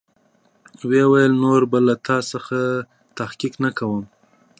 ويې ويل نور به له تا څخه تحقيق نه کوم.